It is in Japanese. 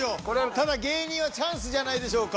ただ芸人はチャンスじゃないでしょうか